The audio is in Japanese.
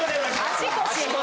・足腰！